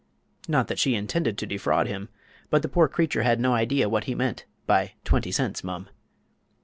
Not that she intended to defraud him, but the poor creature had no idea what he meant by "20 cents, mum."